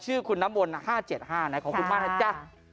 ชื่อคุณน้ำมนต์๕๗๕นะขอบคุณมากนะจ๊ะ